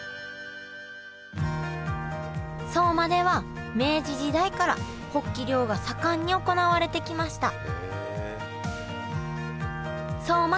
相馬では明治時代からホッキ漁が盛んに行われてきました